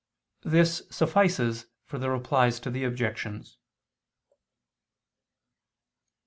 This suffices for the Replies to the Objections.